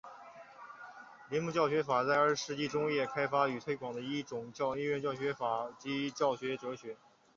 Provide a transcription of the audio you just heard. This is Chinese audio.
铃木教学法在二十世纪中叶开发与推广的一种音乐教学法及教育哲学。